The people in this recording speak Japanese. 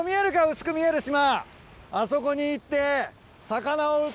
薄く見える島。